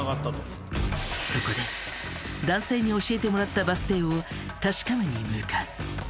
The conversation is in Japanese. そこで男性に教えてもらったバス停を確かめに向かう。